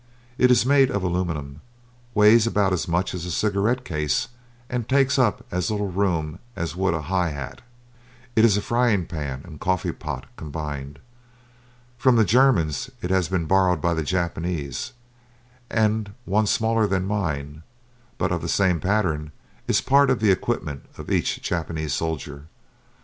It is made of aluminum, weighs about as much as a cigarette case, and takes up as little room as would a high hat. It is a frying pan and coffee pot combined. From the Germans it has been borrowed by the Japanese, and one smaller than mine, but of the same pattern, is part of the equipment of each Japanese soldier.